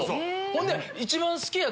ほんで。